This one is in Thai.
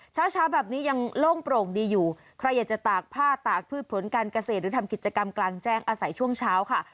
เช้าเช้าแบบนี้ยังโล่งโปร่งดีอยู่ใครอยากจะตากผ้าตากพืชผลการเกษตรหรือทำกิจกรรมกลางแจ้งอาศัยช่วงเช้าค่ะ